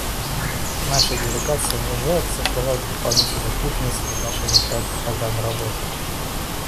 Наша делегация не желает создавать дополнительной путаницы в отношении проекта программы работы.